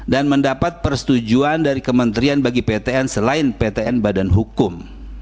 dan mendapat persetujuan dari kementrian bagi ptn selain ptn badan hukum